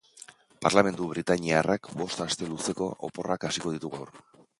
Parlamentu britaniarrak bost aste luzeko oporrak hasiko ditu gaur.